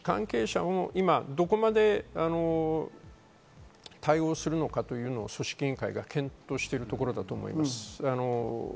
どこまで対応できるのかというのは組織委員会が検討しているところだと思います。